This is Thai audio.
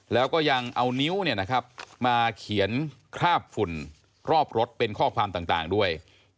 แล้วก็ยังเอานิ้วมาเขียนคราบฝุ่นรอบรถเป็นข้อความต่างด้วย